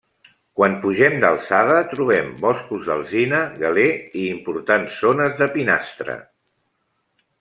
Quan pugem d'alçada trobem boscos d'alzina, galer i importants zones de pinastre.